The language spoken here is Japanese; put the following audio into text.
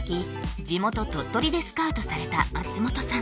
地元鳥取でスカウトされた松本さん